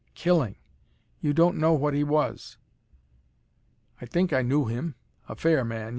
Killing! You don't know what he was " "I think I knew him. A fair man?